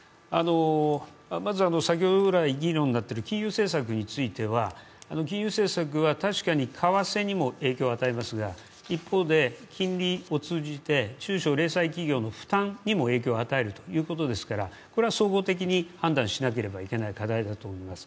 まず先程来議論になっている金融政策については、金融政策は確かに為替にも影響を与えますが一方で、金利を通じて中小零細企業にも負担を与えるということですから、これは総合的に判断しなければいなけない課題だと思います。